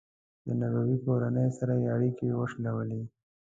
د نبوي کورنۍ سره یې اړیکې وشلولې.